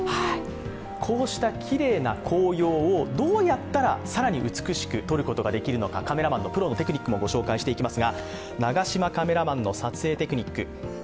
こうしたきれいな紅葉をどうやったら更に美しく撮ることが出来るのかカメラマンのプロのテクニックもご紹介していきます。